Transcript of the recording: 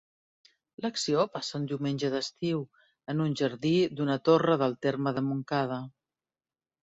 L'acció passa un diumenge d'estiu, en un jardí d'una torre del terme de Montcada.